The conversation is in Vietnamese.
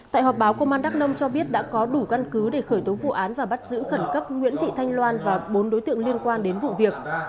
tại họp báo công an đắk nông cho biết đã có đủ căn cứ để khởi tố vụ án và bắt giữ khẩn cấp nguyễn thị thanh loan và bốn đối tượng liên quan đến vụ việc